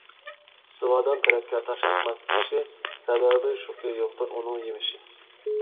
سۇۋادان تېرەككە تاش ئاتماس كىشى، سەۋەب شۇكى يوقتۇر ئۇنىڭ يېمىشى.